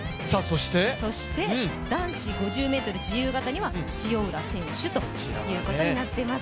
そして男子５０ｍ自由形には塩浦選手ということになっています。